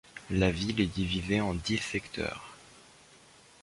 La ville est divisée en dix secteurs.